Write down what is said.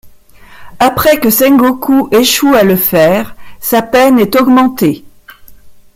Après que Sengoku échoue à le faire, sa peine est augmentée.